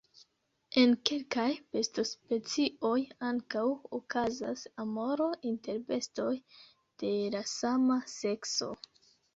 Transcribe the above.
En kelkaj besto-specioj ankaŭ okazas amoro inter bestoj de la sama sekso.